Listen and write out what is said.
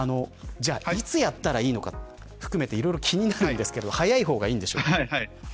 いつやったらいいのか含めていろいろ気になるんですが早い方がいいんでしょうか。